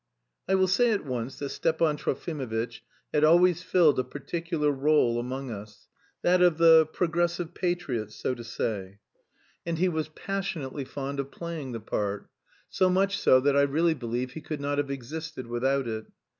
I will say at once that Stepan Trofimovitch had always filled a particular rôle among us, that of the progressive patriot, so to say, and he was passionately fond of playing the part so much so that I really believe he could not have existed without it.